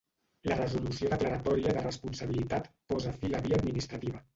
La resolució declaratòria de responsabilitat posa fi a la via administrativa.